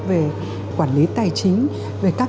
về quản lý tài chính về các